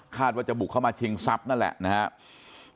ว่าจะบุกเข้ามาชิงทรัพย์นั่นแหละนะครับ